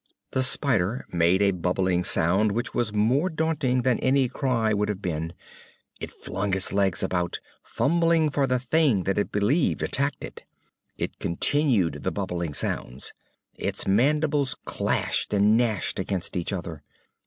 The spider made a bubbling sound which was more daunting than any cry would have been. It flung its legs about, fumbling for the thing that it believed attacked it. It continued the bubbling sounds. Its mandibles clashed and gnashed against each other.